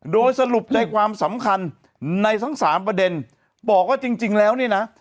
โดยสรุปใจความสำคัญในทั้งสามประเด็นบอกว่าจริงแล้วเนี่ยนะ